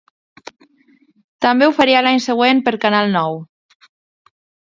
També ho faria l'any següent per Canal Nou.